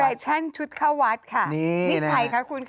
ชั่นชุดเข้าวัดค่ะนี่ใครคะคุณค่ะ